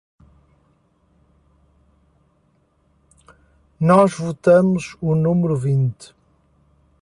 Nós votamos o número vinte.